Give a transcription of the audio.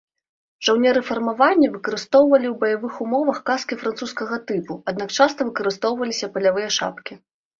Жаўнеры фармавання выкарыстоўвалі ў баявых умовах каскі французскага тыпу, аднак часта выкарыстоўваліся палявыя шапкі.